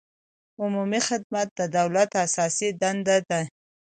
عمومي خدمت د دولت اساسي دنده ده.